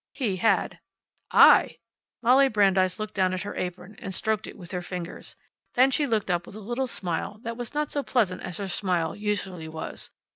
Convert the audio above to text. He had. "I!" Molly Brandeis looked down at her apron, and stroked it with her fingers. Then she looked up with a little smile that was not so pleasant as her smile usually was.